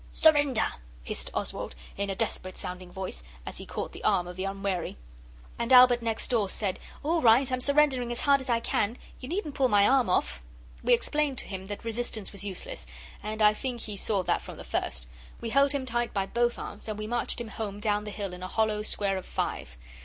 'Surrender!' hissed Oswald, in a desperate sounding voice, as he caught the arm of the Unwary. And Albert next door said, 'All right! I'm surrendering as hard as I can. You needn't pull my arm off.' We explained to him that resistance was useless, and I think he saw that from the first. We held him tight by both arms, and we marched him home down the hill in a hollow square of five.